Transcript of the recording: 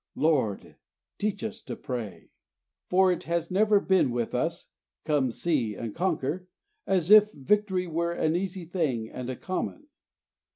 Lord, teach us to pray! For it has never been with us, "Come, see, and conquer," as if victory were an easy thing and a common.